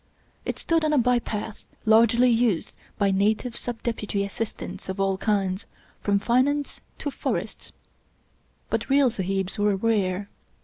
It stood on a bypath largely used by native Sub Deputy Assistants of all kinds, from Finance to Forests ; but real Sahibs were rare.